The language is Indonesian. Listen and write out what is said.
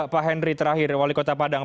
pak henry terakhir wali kota padang